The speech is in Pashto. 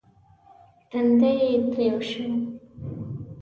تندی يې تريو شو.